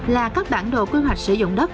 là các bản đồ quy hoạch sử dụng đất